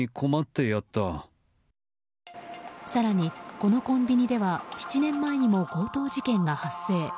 更に、このコンビニでは７年前にも強盗事件が発生。